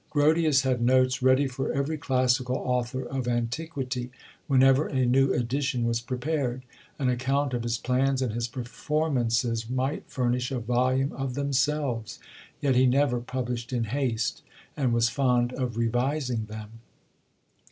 Grotius had notes ready for every classical author of antiquity, whenever a new edition was prepared; an account of his plans and his performances might furnish a volume of themselves; yet he never published in haste, and was fond of revising them.